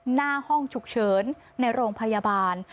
หน้าห้องฉุกเฉินในโรงพยาบาล